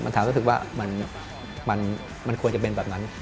ถามรู้สึกว่ามันควรจะเป็นแบบนั้น